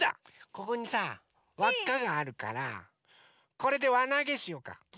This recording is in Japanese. ここにさわっかがあるからこれでわなげしようか！